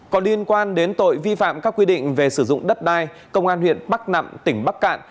có liên quan đến tội vi phạm các quy định về sử dụng đất đai công an huyện bắc nạm tỉnh bắc cạn